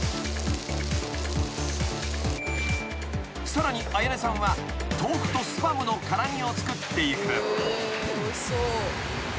［さらに彩音さんは豆腐とスパムの辛煮を作っていく］